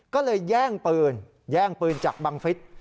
ก็เลยแย่งปืนจากบังฟิศ